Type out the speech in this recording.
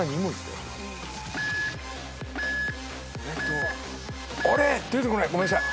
あれっ？出てこないごめんなさい。